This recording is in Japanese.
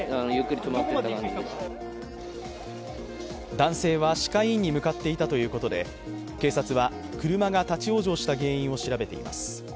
男性は歯科医院に向かっていたということで警察は車が立往生した原因を調べています。